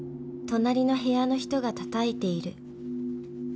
［隣の部屋の人がたたいている］